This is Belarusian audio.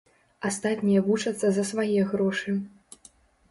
Астатнія вучацца за свае грошы.